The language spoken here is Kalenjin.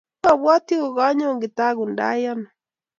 mapwoti kukanyuu kitakundai ano